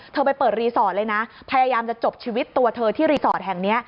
ไปเปิดรีสอร์ทเลยนะพยายามจะจบชีวิตตัวเธอที่รีสอร์ทแห่งนี้